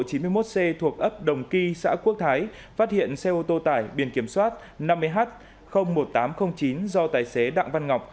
chín mươi một c thuộc ấp đồng ky xã quốc thái phát hiện xe ô tô tải biển kiểm soát năm mươi h một nghìn tám trăm linh chín do tài xế đặng văn ngọc